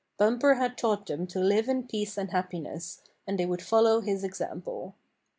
Bumper had taught them to live in peace and happiness, and they would follow his example.